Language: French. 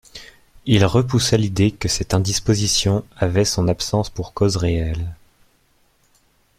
Il repoussa l'idée que cette indisposition avait son absence pour cause réelle.